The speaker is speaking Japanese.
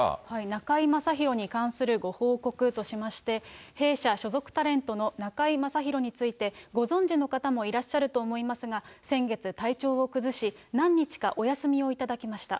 中居正広に関するご報告としまして、弊社所属タレントの中居正広について、ご存じの方もいらっしゃると思いますが、先月、体調を崩し、何日かお休みを頂きました。